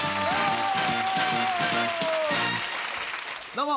どうも！